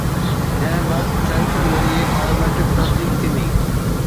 جنهن بعد سينسر ذريعي بايو ميٽرڪ تصديق ٿيندي